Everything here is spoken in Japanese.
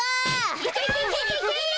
いけいけいけいけ！